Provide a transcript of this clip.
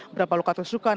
berapa luka tusukan